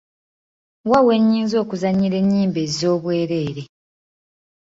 Wa we nnyinza okuzannyira ennyimba ez'obwereere ?